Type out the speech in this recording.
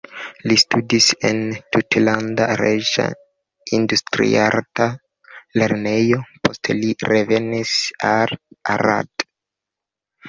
Li studis en Tutlanda Reĝa Industriarta Lernejo, poste li revenis al Arad.